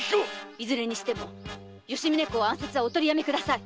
いずれにしても吉宗公暗殺はお取りやめください。